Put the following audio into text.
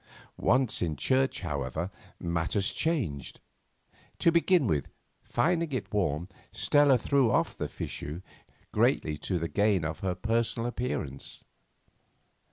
Once in church, however, matters changed. To begin with, finding it warm, Stella threw off the fichu, greatly to the gain of her personal appearance.